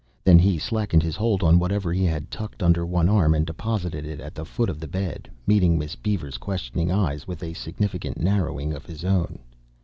Then he slackened his hold on whatever he had tucked under one arm and deposited it at the foot of the bed, meeting Miss Beaver's questioning eyes with a significant narrowing of his own.